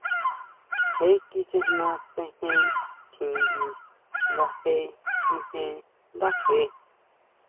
Je kisʼejna tsejen tjingui nga je kíjen ndáje.